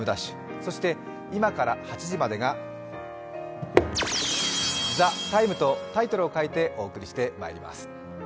そして、今から８時までが「ＴＨＥＴＩＭＥ，」とタイトルを変えてお送りしてまいります。